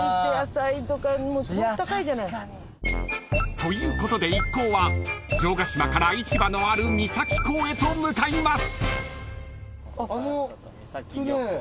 ［ということで一行は城ヶ島から市場のある三崎港へと向かいます］